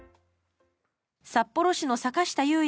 札幌市の坂下裕也